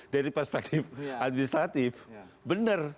dari perspektif administratif benar